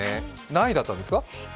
何位だったんですか？